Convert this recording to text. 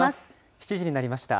７時になりました。